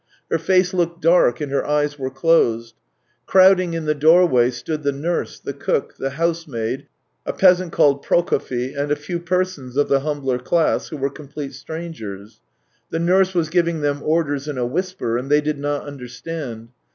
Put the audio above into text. Her face looked dark and her eyes were closed. Crowding in the doorway stood the nurse, the cook, the housemaid, a peasant called Prokofy and a few persons of the humbler class, who were complete strangers. The nurse was giving them orders in a whisper, and they did not understand.